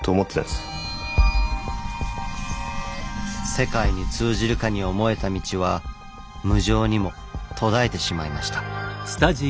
世界に通じるかに思えた道は無情にも途絶えてしまいました。